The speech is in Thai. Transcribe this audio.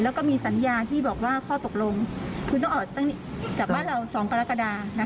แล้วก็มีสัญญาที่บอกว่าข้อตกลงคือต้องออกจากบ้านเรา๒กรกฎา